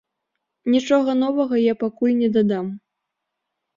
Нічога новага я пакуль не дадам.